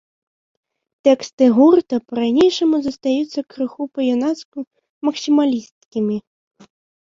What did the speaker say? Тэксты гурта па-ранейшаму застаюцца крыху па-юнацку максімалісцкімі.